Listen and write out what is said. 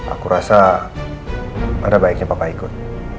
aku rasa pada baiknya papa ikut